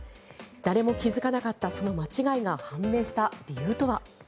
誰も気付かなかったその間違いが判明した理由とは。